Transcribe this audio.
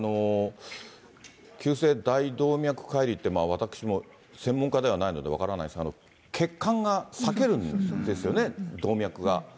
急性大動脈解離って私も専門家ではないので分からないですが、血管が裂けるんですよね、動脈が。